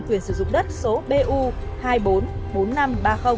là năm hai nghìn một mươi một